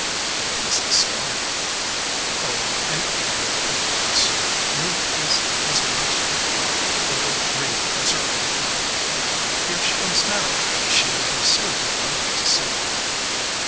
"What is the stone?" "Oh, an emerald, of course. Ruth is as much a crank over green as her old mother. Here she comes now. She will be so delighted to see you."